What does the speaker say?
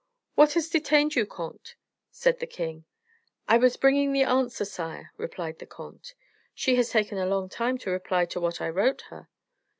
"What has detained you, comte?" said the king. "I was bringing the answer, sire," replied the comte. "She has taken a long time to reply to what I wrote her."